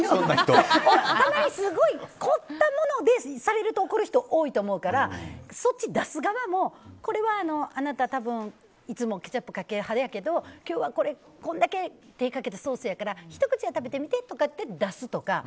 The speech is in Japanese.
たまに凝ったもので出す人で怒る人いるからそっち出す側も、これはあなたいつもケチャップかける派やけど今日はこれだけ手をかけたソースやから、ひと口食べてみてとか言って出すとか。